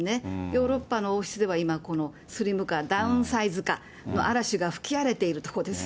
ヨーロッパの王室では今、このスリム化、ダウンサイズ化の嵐が吹き荒れているところです。